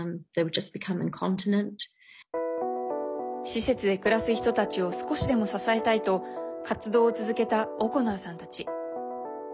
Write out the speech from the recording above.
施設で暮らす人たちを少しでも支えたいと活動を続けたオコナーさんたち。